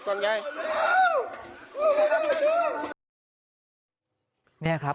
คุณผู้ชมครับ